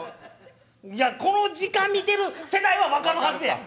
いやこの時間見てる世代は分かるはずや。